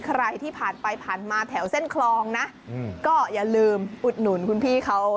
ใครที่ผ่านไปผ่านมาแถวเส้นคลองนะก็อย่าลืมอุดหนุนคุณพี่เขา